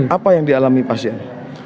apa yang dialami pasien